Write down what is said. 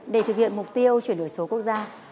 để thực hiện mục tiêu chuyển đổi số quốc gia